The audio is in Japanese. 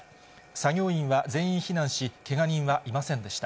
作業員は全員避難し、けが人はいませんでした。